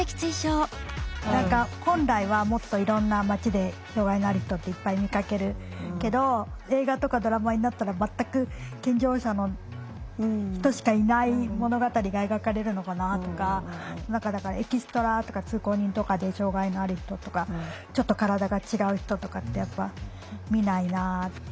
何か本来はもっといろんな街で障害のある人っていっぱい見かけるけど映画とかドラマになったら全く健常者の人しかいない物語が描かれるのかなとか何かだからエキストラとか通行人とかで障害のある人とかちょっと体が違う人とかってやっぱ見ないなって。